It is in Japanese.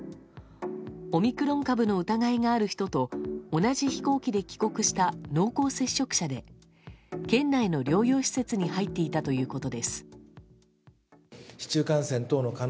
オミクロン株の疑いがある人と同じ飛行機で帰国した濃厚接触者で県内の療養施設に入っていたということです。